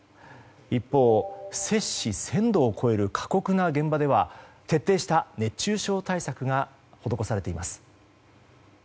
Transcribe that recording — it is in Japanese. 一方、摂氏１０００度を超える過酷な現場では徹底した熱中症対策が施されています。